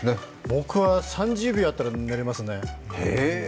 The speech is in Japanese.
僕は３０秒あったら寝れますね。